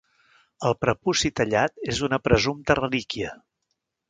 El prepuci tallat és una presumpta relíquia.